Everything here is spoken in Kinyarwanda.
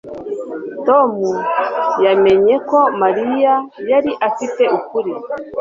Tom yamenye ko Mariya yari afite ukuri